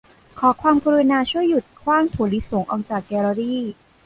ขอความกรุณาช่วยหยุดขว้างถั่วลิสงออกจากแกลเลอรี